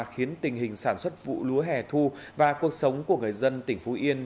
khiến tình hình sản xuất vụ lúa hẻ thu và cuộc sống của người dân tỉnh phú yên